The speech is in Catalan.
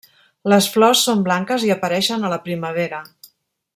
Les flors són blanques i apareixen a la primavera.